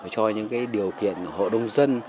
cho những điều kiện hộ đông dân